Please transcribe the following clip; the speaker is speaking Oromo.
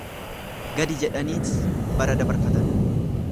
Gadi jedhaniit bara dabarfatan.